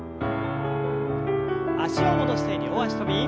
脚を戻して両脚跳び。